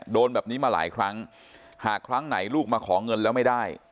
โดนแบบนี้มาหลายครั้งหากครั้งไหนลูกมาขอเงินแล้วไม่ได้